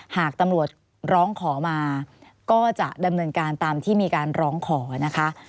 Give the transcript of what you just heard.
หากตำรวจร้องขอมาก็จะดำเนินการตามที่มีการร้องขอนะคะ